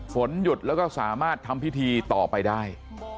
ฝนหยุดแล้วก็สามารถทำพิธีต่อไปได้